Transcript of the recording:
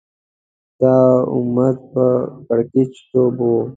دا امت په کړکېچ ډوب و